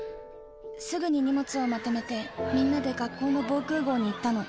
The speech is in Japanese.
すぐに荷物をまとめてみんなで学校の防空ごうに行ったの。